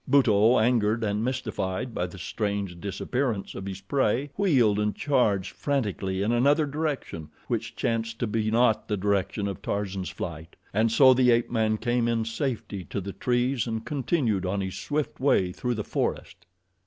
Buto, angered and mystified by the strange disappearance of his prey, wheeled and charged frantically in another direction, which chanced to be not the direction of Tarzan's flight, and so the ape man came in safety to the trees and continued on his swift way through the forest.